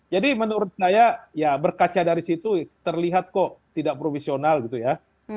menurut saya ya berkaca dari situ terlihat kok tidak profesional gitu ya